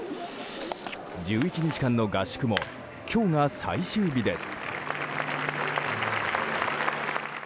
１１日間の合宿も今日が最終日です。